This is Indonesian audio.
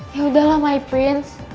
ya udahlah my prince